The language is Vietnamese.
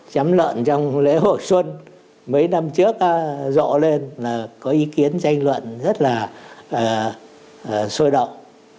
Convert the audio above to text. chấm lợn trong lễ hội xuân mấy năm trước rọ lên là có ý kiến tranh luận rất là sôi động